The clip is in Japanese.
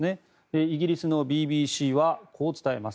イギリスのＢＢＣはこう伝えます。